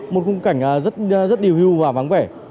một khung cảnh rất điều hưu và vắng vẻ